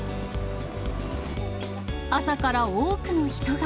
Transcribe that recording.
朝から多くの人が。